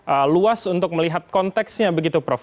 atau harus untuk melihat konteksnya begitu prof